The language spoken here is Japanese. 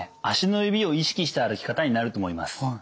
足の指を意識した歩き方になると思います。